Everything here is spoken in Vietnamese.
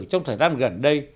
trong thời gian gần đây